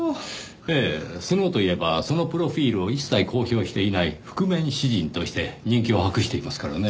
ええスノウといえばそのプロフィルを一切公表していない覆面詩人として人気を博していますからねぇ。